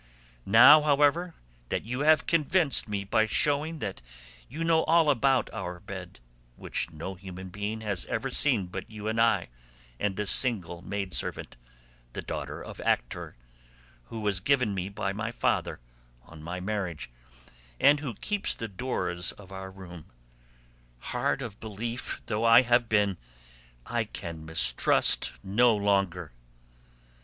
Now, however, that you have convinced me by showing that you know all about our bed (which no human being has ever seen but you and I and a single maidservant, the daughter of Actor, who was given me by my father on my marriage, and who keeps the doors of our room) hard of belief though I have been I can mistrust no longer."